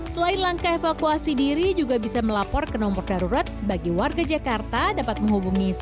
selain langkah evakuasi diri juga bisa melapor ke nomor darurat bagi warga jakarta dapat menghubungi satu ratus dua belas